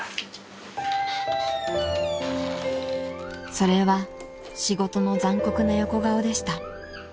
［それは仕事の残酷な横顔でした］